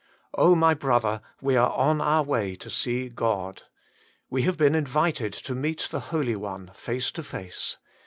OMY brother, we are on our way to see God. We have been invited to meet the Holy Oije face to face.